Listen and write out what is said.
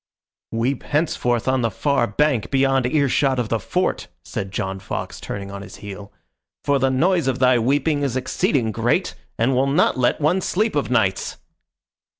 "Weep henceforth on the far bank, beyond ear shot of the Fort," said John Fox, turning on his heel, "for the noise of thy weeping is exceeding great and will not let one sleep of nights."